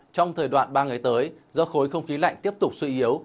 trong thời đoạn ba ngày tới do khối không khí lạnh tiếp tục suy yếu